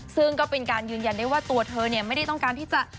ซึ่งก็เป็นการยืนยันได้ว่าตัวเธอไม่ได้ต้องการที่จะ